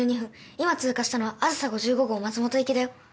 今通過したのはあずさ５５号松本行きだよ。